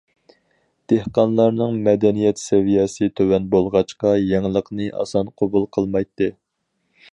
دېھقانلارنىڭ مەدەنىيەت سەۋىيەسى تۆۋەن بولغاچقا، يېڭىلىقنى ئاسان قوبۇل قىلمايتتى.